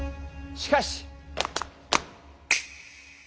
しかし。